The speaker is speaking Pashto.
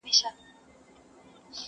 یو څه نڅا یو څه خندا ته ورکړو!